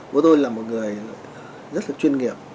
bố tôi là một người rất là chuyên nghiệp